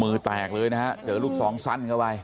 แตกเลยนะฮะเจอลูกซองสั้นเข้าไป